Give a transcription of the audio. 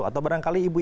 atau barangkali ibu